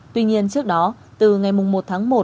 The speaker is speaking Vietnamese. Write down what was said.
tuy nhiên trước đó từ ngày một tháng một